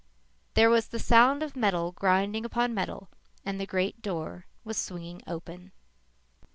There was the sound of metal grinding upon metal and the great door was swinging open.